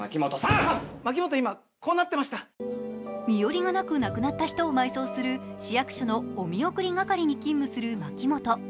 身寄りがなく亡くなった人を埋葬する市役所のおみおくり係に勤務する牧本。